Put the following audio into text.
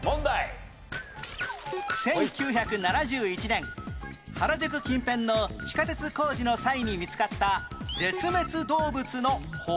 １９７１年原宿近辺の地下鉄工事の際に見つかった絶滅動物の骨はどれ？